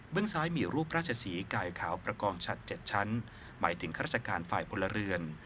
ซ้ายมีรูปราชศรีกายขาวประกองชัด๗ชั้นหมายถึงข้าราชการฝ่ายพลเรือน